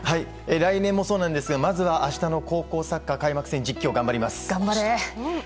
来年もそうなんですがまずは明日の高校サッカー開幕戦、実況頑張ります！